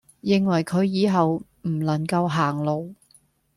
認為佢以後唔能夠行路